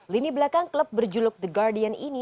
lini belakang klub berjuluk the guardian ini